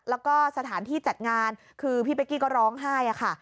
แล้วก็สถานที่จัดงานคือพี่เป๊กกี้ก็ร้องไห้ค่ะ